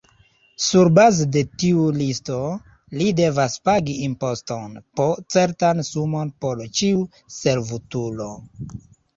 Surbaze de tiu listo, li devas pagi imposton, po certan sumon por ĉiu servutulo.